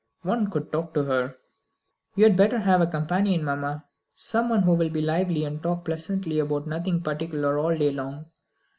One could talk to her." "You had better have a companion, mamma. Someone who will be lively, and talk pleasantly about nothing particular all day long.